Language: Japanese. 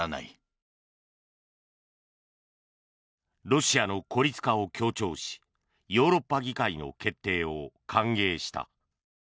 ロシアの孤立化を強調しヨーロッパ議会の決定を歓迎した。